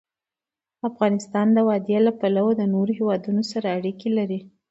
افغانستان د وادي له پلوه له نورو هېوادونو سره اړیکې لري.